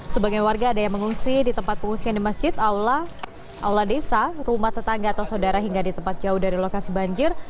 sebagian warga ada yang mengungsi di tempat pengungsian di masjid aula aula desa rumah tetangga atau saudara hingga di tempat jauh dari lokasi banjir